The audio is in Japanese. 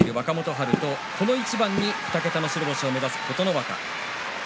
春とこの一番で２桁の白星を目指す琴ノ若です。